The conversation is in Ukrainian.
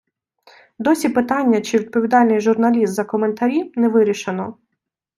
Досі питання, чи відповідальний журналіст за коментарі, не вирішено.